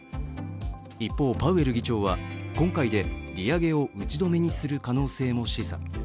一方、パウエル議長は今回で利上げを打ち止めにする可能性も示唆。